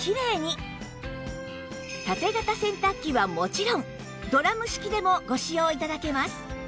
縦型洗濯機はもちろんドラム式でもご使用頂けます